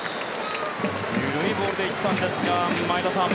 緩いボールで行ったんですが前田さん